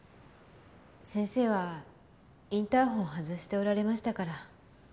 先生はインターホン外しておられましたから。